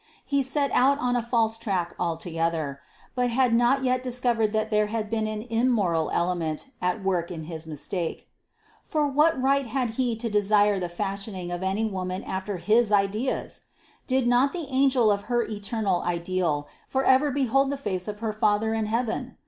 He had set out on a false track altogether, but had not yet discovered that there had been an immoral element at work in his mistake. For what right had he to desire the fashioning of any woman after his ideas? did not the angel of her eternal Ideal for ever behold the face of her Father in heaven?